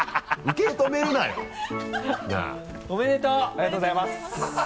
ありがとうございます。